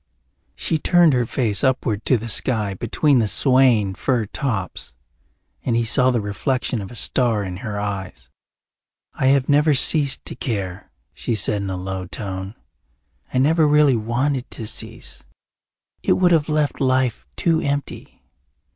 She turned her face upward to the sky between the swaying fir tops and he saw the reflection of a star in her eyes. "I have never ceased to care," she said in a low tone. "I never really wanted to cease. It would have left life too empty.